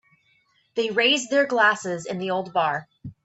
They raised their glasses in the old bar.